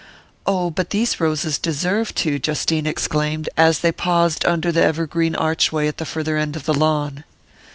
"Oh, but these roses deserve to," Justine exclaimed, as they paused under the evergreen archway at the farther end of the lawn.